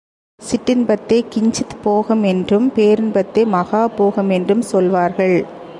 சிற்றின்பத்தைக் கிஞ்சித் போகம் என்றும், பேரின்பத்தை மகா போகம் என்றும் சொல்வார்கள்.